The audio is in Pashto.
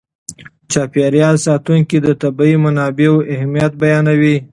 چاپېر یال ساتونکي د طبیعي منابعو اهمیت بیانوي.